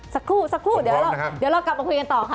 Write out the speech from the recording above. สักครู่เดี๋ยวเรากลับมาคุยกันต่อค่ะ